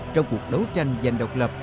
trong cuộc đấu tranh giành độc lập